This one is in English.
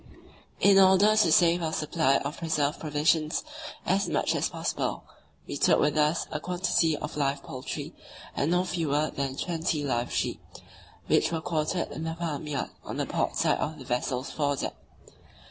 In order to save our supply of preserved provisions as much as possible, we took with us a quantity of live poultry, and no fewer than twenty live sheep, which were quartered in the "farmyard" on the port side of the vessel's fore deck.